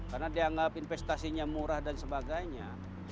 karena dianggap investasinya murah dan sebagainya